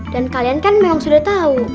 dan kalian kan memang sudah tahu